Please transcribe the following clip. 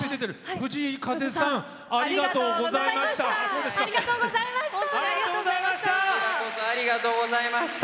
藤井風さんありがとうございました。